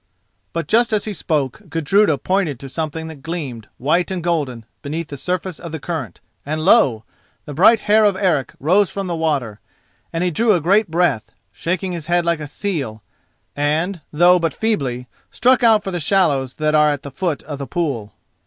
But just as he spoke Gudruda pointed to something that gleamed, white and golden, beneath the surface of the current, and lo! the bright hair of Eric rose from the water, and he drew a great breath, shaking his head like a seal, and, though but feebly, struck out for the shallows that are at the foot of the pool.